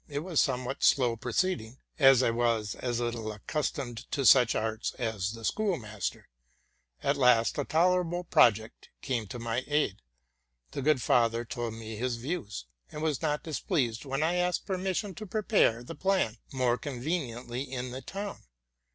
It was a somewhat slow proceeding, as I was as little accus tomed to such arts as the schoolmaster. At last a tolerable project came tomy aid. The good father told me his views, and was not displeased when I asked permission to prepare the plan more conveniently in the town.